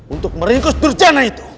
untuk meringkus durjana itu